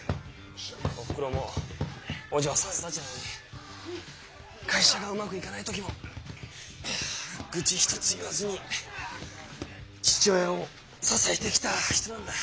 おふくろもお嬢さん育ちなのに会社がうまくいかない時も愚痴一つ言わずに父親を支えてきた人なんだ。